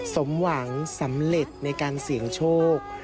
สมหวังสำเร็จในการเสี่ยงโชค